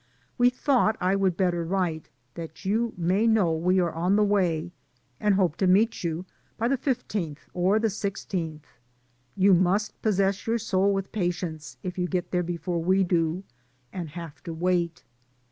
We thought I would better write, that you may know we are on the way, and hope to meet you by the 1 5th or the i6th. You must possess your soul with patience, if you get there before we do, and have to wait.